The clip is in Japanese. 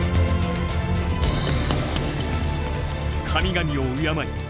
神々を敬い